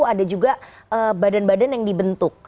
ada juga badan badan yang dibentuk